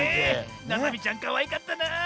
ななみちゃんかわいかったなあ。